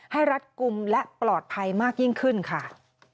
รัดกลุ่มและปลอดภัยมากยิ่งขึ้นค่ะ